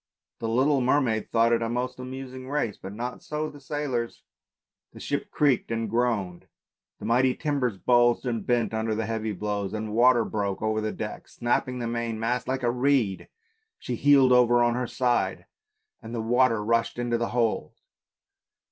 The little mermaid thought it a most amusing race, but not so the sailors. The ship creaked and groaned, the mighty timbers bulged and bent under the heavy blows, the water broke over the decks, snapping the main mast like a reed, she heeled over on her side and the water rushed into the hold.